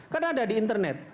karena ada di internet